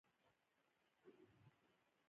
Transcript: آیا دا ښار له اسیا سره سوداګري نه کوي؟